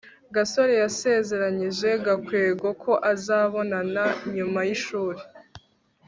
gasore yasezeranyije gakwego ko azabonana nyuma y'ishuri